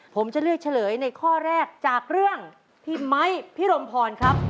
ผมจะเลือกเฉลยในข้อแรกจากเรื่องพี่ไม้พิรมพรครับ